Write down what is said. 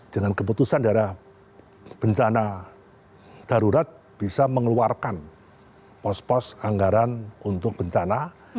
dengan keputusan daerah bencana darurat bisa mengeluarkan pos pos anggaran untuk bencana